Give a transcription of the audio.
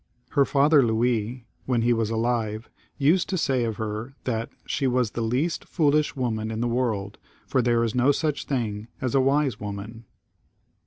Her father Louis, when he was alive, used to say of her that " she was the least foolish woman in the world, for there is no such thing as a wise woman."